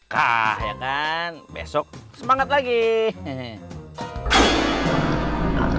kah ya kan besok semangat lagi